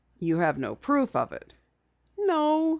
"You have no proof of it?" "No."